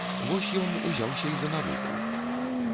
Вось ён узяўся і за навуку.